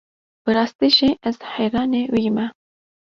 Bi rastî jî ez heyranê wî me.